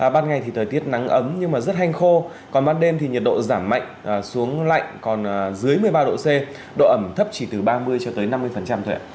ban ngày thì thời tiết nắng ấm nhưng mà rất hanh khô còn ban đêm thì nhiệt độ giảm mạnh xuống lạnh còn dưới một mươi ba độ c độ ẩm thấp chỉ từ ba mươi cho tới năm mươi thôi ạ